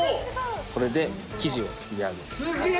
これで生地を作り上げるとすげえ！